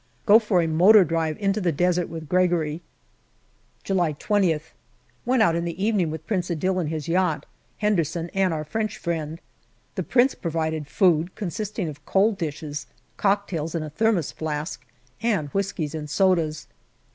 Go for motor drive into the desert with Gregory. July 20th. Went out in the evening with Prince Adil in his yacht, Henderson and our French friend. The Prince provided food, consisting of cold dishes, cocktails in a Thermos flask, and whiskies and sodas.